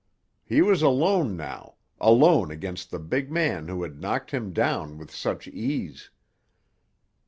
He was alone now, alone against the big man who had knocked him down with such ease.